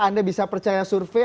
anda bisa percaya survei